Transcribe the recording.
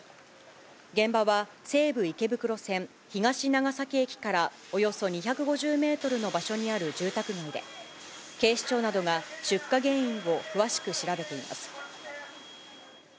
現場は西武池袋線東長崎駅からおよそ２５０メートルの場所にある住宅街で、警視庁などが出火原因を詳しく調べています。